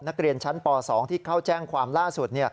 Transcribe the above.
นักเรียนชั้นป๒ที่เข้าแจ้งความล่าสุด